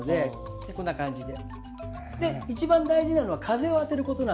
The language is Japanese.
こんな感じで。